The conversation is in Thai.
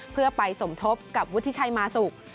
เพื่อไปสมทบกับวุฒิชัยมาสุก